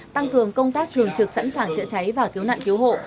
tăng cường công tác thường trực sẵn sàng chữa cháy và cứu nạn cứu hộ